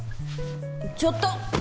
ちょっと！